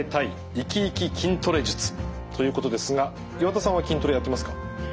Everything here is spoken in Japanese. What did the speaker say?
イキイキ筋トレ術」。ということですが岩田さんは筋トレやってますか？